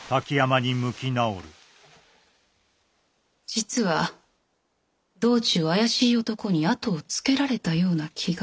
実は道中怪しい男に後をつけられたような気が。